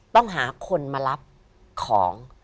ต้องหาคนมารับของ